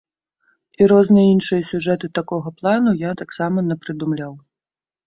І розныя іншыя сюжэты такога плану я таксама напрыдумляў.